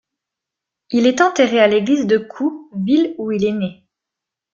Il est enterré à l'église de Kew, ville où il est né.